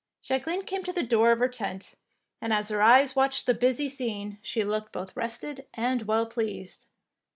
Jacqueline came to the door of her tent, and as her eyes watched the busy 84 THE PKINCESS WINS scene, she looked both rested and well pleased.